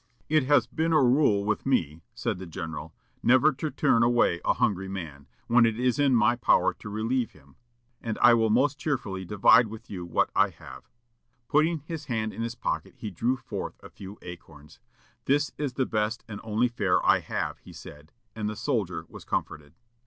"It has been a rule with me," said the general, "never to turn away a hungry man, when it is in my power to relieve him, and I will most cheerfully divide with you what I have." Putting his hand in his pocket, he drew forth a few acorns. "This is the best and only fare I have," he said, and the soldier was comforted.